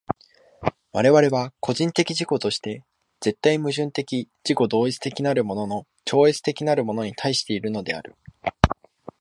我々は個人的自己として絶対矛盾的自己同一的なるもの超越的なるものに対しているのである。